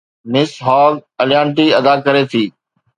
مس هاگ اليانٽي ادا ڪري ٿي